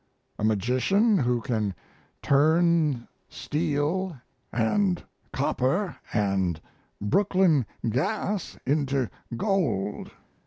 a magician who can turn steel add copper and Brooklyn gas into gold.